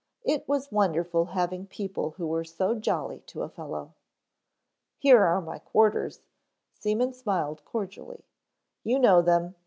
It was wonderful having people who were so jolly to a fellow. "Here are my quarters," Seaman smiled cordially. "You know them.